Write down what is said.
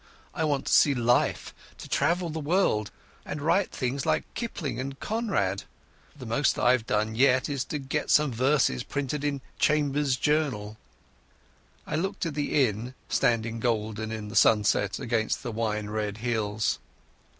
I want to see life, to travel the world, and write things like Kipling and Conrad. But the most I've done yet is to get some verses printed in Chambers's Journal." I looked at the inn standing golden in the sunset against the brown hills.